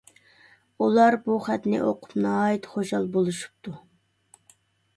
ئۇلار بۇ خەتنى ئوقۇپ ناھايىتى خۇشال بولۇشۇپتۇ.